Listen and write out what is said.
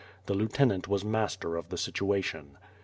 The lieutenant was master of the situation.